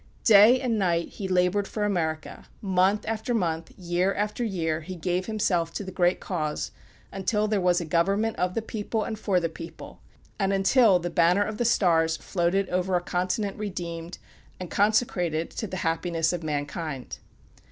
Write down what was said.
Day and night he labored for America; month after month, year after year, he gave himself to the Great Cause, until there was "a government of the people and for the people," and until the banner of the stars floated over a continent redeemed, and consecrated to the happiness of mankind.